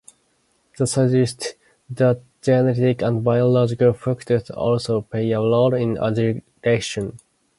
They suggest that genetic and biological factors also play a role in aggression.